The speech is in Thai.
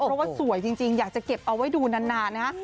เพราะว่าสวยจริงอยากจะเก็บเอาไว้ดูนานนะฮะ